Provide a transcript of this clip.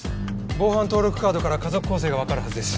防犯登録カードから家族構成がわかるはずです。